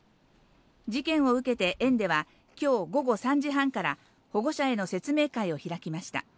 事件を受けて、園では、きょう午後３時半から、保護者への説明会を開きました。